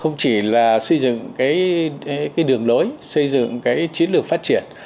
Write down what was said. không chỉ là xây dựng cái đường lối xây dựng cái chiến lược phát triển